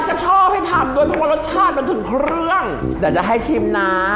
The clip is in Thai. เจ้าชอบให้ทำโดยแค่ว่ารสชาติมันถึงเครื่องแต่จะให้ชิมน้า